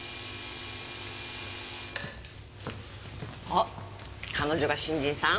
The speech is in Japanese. あっ彼女が新人さん？